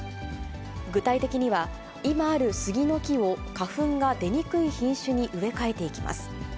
具体的には今あるスギの木を花粉が出にくい品種に植え替えていきます。